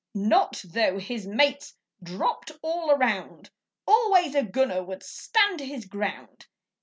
Not though his mates dropped all around! Always a gunner would stand his ground.